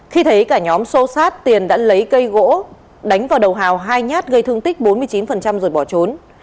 khi thấy cả nhóm xô xát tiền đã lấy cây gỗ đánh vào đầu hào hai nhát gây thương tích bốn mươi chín rồi bỏ trốn